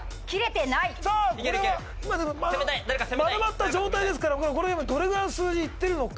さぁこれはでも丸まった状態ですからこれ今どれぐらいの数字いってるのか。